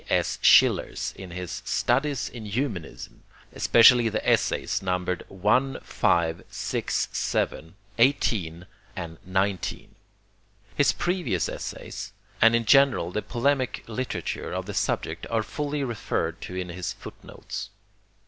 S. Schiller's in his 'Studies in Humanism,' especially the essays numbered i, v, vi, vii, xviii and xix. His previous essays and in general the polemic literature of the subject are fully referred to in his footnotes.